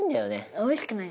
おいしくない。